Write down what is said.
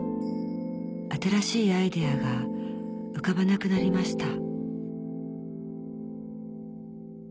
新しいアイデアが浮かばなくなりました